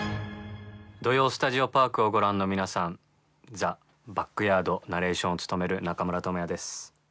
「土曜スタジオパーク」をご覧の皆さん「ザ・バックヤード」ナレーションを務める中村倫也です。